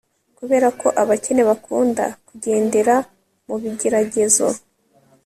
Kuberako abakene bakunda kugendera mubigeragezo